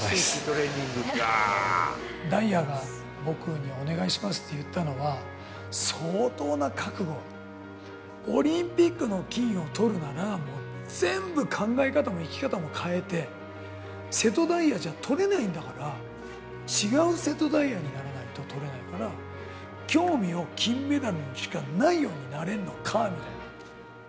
大也が、僕にお願いしますって言ったのは、相当な覚悟、オリンピックの金をとるなら、全部考え方も生き方も変えて、瀬戸大也じゃとれないんだから、違う瀬戸大也にならないととれないから、興味を金メダルにしかないようになれるのかみたいな。